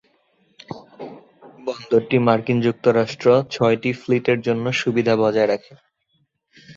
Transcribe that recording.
বন্দরটি মার্কিন যুক্তরাষ্ট্র ছয়টি ফ্লিট-এর জন্য সুবিধা বজায় রাখে।